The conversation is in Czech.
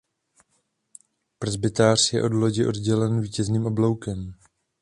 Presbytář je od lodi oddělen vítězným obloukem.